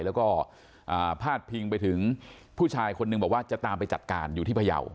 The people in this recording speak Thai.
แล้วก็พาดพิงไปถึงผู้ชายคนนึงบอกว่าจะตามไปจัดการอยู่ที่พยาว